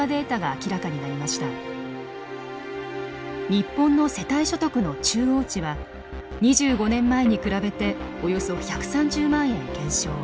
日本の世帯所得の中央値は２５年前に比べておよそ１３０万円減少。